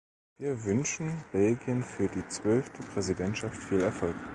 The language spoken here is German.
Wir wünschen Belgien für die zwölfte Präsidentschaft viel Erfolg.